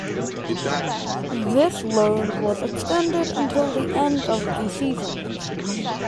This loan was extended until the end of the season.